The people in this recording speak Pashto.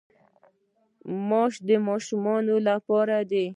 ماش د ماشومانو لپاره دي.